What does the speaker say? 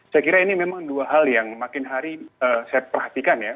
saya kira ini memang dua hal yang makin hari saya perhatikan ya